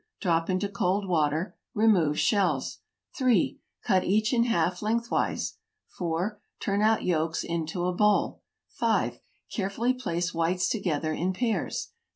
Drop into cold water. Remove shells. 3. Cut each in half lengthwise. 4. Turn out yolks into a bowl. 5. Carefully place whites together in pairs.